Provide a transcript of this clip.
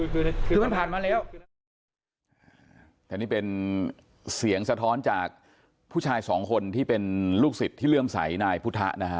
คือมันผ่านมาแล้วแต่นี่เป็นเสียงสะท้อนจากผู้ชายสองคนที่เป็นลูกศิษย์ที่เลื่อมใสนายพุทธะนะฮะ